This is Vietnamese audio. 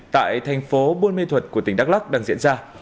tại thành phố buôn mê thuật của tỉnh đắk lắc đang diễn ra